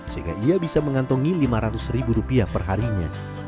sehingga ia bisa mengantongi lima ratus ribu rupiah perharinya